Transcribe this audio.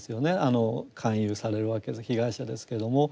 勧誘されるわけで被害者ですけども。